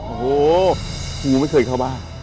โอ้โหกูไม่เคยเข้าบ้าน